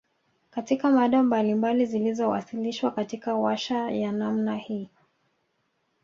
Katika mada mbalibali zilizowasilishwa katika warsha ya namna hii